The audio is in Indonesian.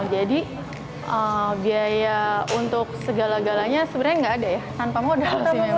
jadi biaya untuk segala galanya sebenarnya nggak ada ya tanpa modal sih memang